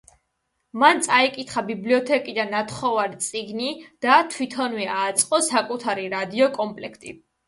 მან წაიკითხა ბიბლიოთეკიდან ნათხოვარი წიგნი და თვითონვე ააწყო საკუთარი „რადიო კომპლექტი“.